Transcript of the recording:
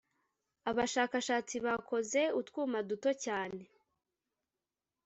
Abashakashatsi bakoze utwuma duto cyane